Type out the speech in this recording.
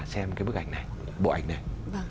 xem cái bức ảnh này bộ ảnh này